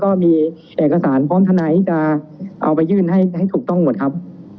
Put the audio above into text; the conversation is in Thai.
ก็มีเอกสารพร้อมทนายที่จะเอาไปยื่นให้ถูกต้องหมดครับ